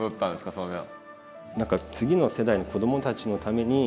それは。